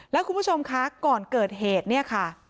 แล้วคุณผู้ชมคะก่อนเกิดเหตุเนี่ยค่ะ